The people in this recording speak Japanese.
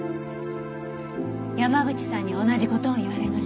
山口さんに同じ事を言われました。